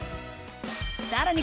さらに